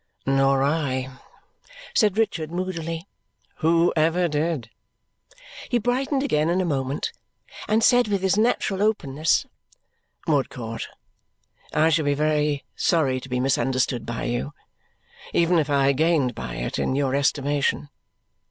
"Nor I," said Richard moodily. "Who ever did?" He brightened again in a moment and said with his natural openness, "Woodcourt, I should be sorry to be misunderstood by you, even if I gained by it in your estimation.